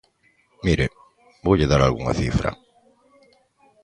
Mire, voulle dar algunha cifra.